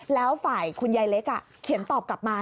แล้วฝ่ายคุณยายเล็กเขียนตอบกลับมา